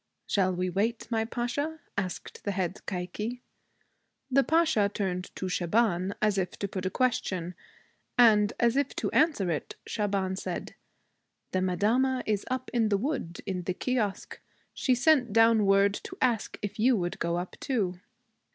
'Shall we wait, my Pasha?' asked the head kaïkji. The Pasha turned to Shaban, as if to put a question. And as if to answer it, Shaban said, 'The madama is up in the wood, in the kiosque. She sent down word to ask if you would go up too.'